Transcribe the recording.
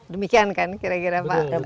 demikian kan kira kira pak